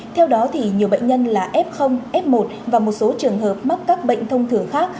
theo đó nhiều bệnh nhân là f f một và một số trường hợp mắc các bệnh thông thường khác